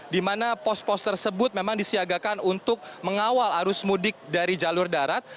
di mana pos pos tersebut memang disiagakan untuk mengawal arus mudik dari jalur darat